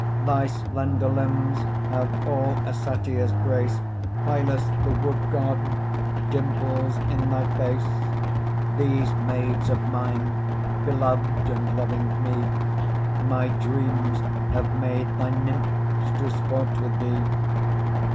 Thy slender limbs have all a Satyr's grace, Hylas, the Wood God, dimples in thy face; These maids of mine, beloved and loving me, My dreams have made thy Nymphs to sport with thee.